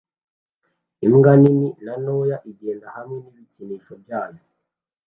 Imbwa nini na ntoya igenda hamwe nibikinisho byabo